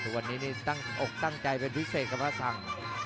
วันนี้นี่ตั้งอกตั้งใจเป็นพิเศษครับว่าสัง